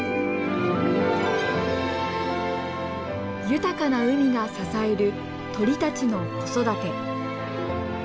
豊かな海が支える鳥たちの子育て。